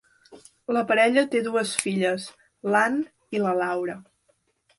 La parella té dues filles, l'Anne i la Laura.